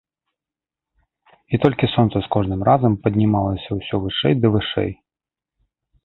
І толькі сонца з кожным разам паднімалася ўсё вышэй ды вышэй.